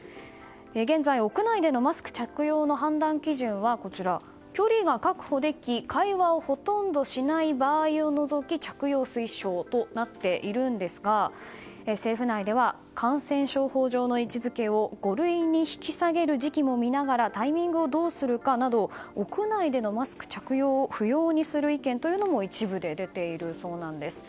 現在、屋内でのマスク着用の判断基準は距離が確保でき会話をほとんどしない場合を除き着用推奨となっているんですが政府内では感染症法の位置づけを五類に引き下げる時期も見ながらタイミングをどうするかなど屋内でのマスク着用を不要にする意見も一部で出ているそうなんです。